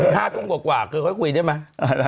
ห้าทุ่งกว่ากว่าคือค่อยคุยได้มั้ย